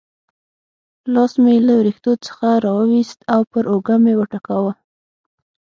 لاس مې یې له وریښتو څخه را وایست او پر اوږه مې وټکاوه.